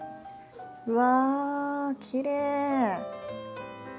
うわきれい！